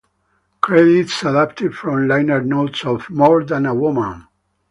Credits adapted from liner notes of "More Than a Woman".